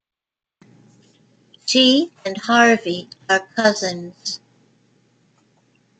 She and Harvey are cousins.